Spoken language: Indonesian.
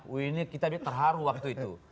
oh ini kita terharu waktu itu